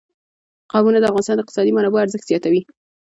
قومونه د افغانستان د اقتصادي منابعو ارزښت زیاتوي.